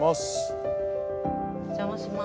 お邪魔します。